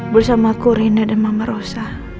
bersama aku rina dan mama rosa